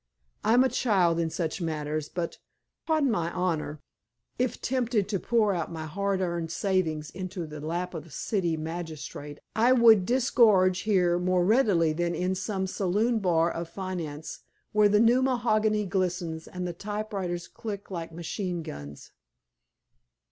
I'm a child in such matters, but, 'pon my honor, if tempted to pour out my hard earned savings into the lap of a City magnate, I would disgorge here more readily than in some saloon bar of finance, where the new mahogany glistens, and the typewriters click like machine guns."